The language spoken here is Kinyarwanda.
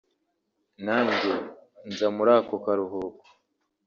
nanjye nza muri ako karuhuko